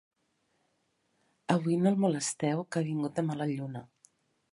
Avui no el molesteu, que ha vingut de mala lluna.